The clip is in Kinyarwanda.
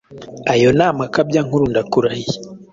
ayo n’amakabya nkuru ndakurahiye